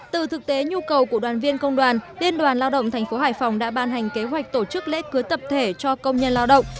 từ thực tế nhu cầu của đoàn viên công đoàn liên đoàn lao động tp hải phòng đã ban hành kế hoạch tổ chức lễ cưới tập thể cho công nhân lao động